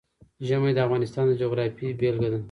ژمی د افغانستان د جغرافیې بېلګه ده.